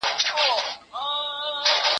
که وخت وي، پوښتنه کوم!!